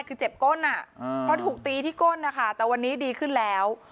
คือเจ็บก้นเพราะถูกตีที่ก้นนะคะแต่วันนี้ดีขึ้นแล้ว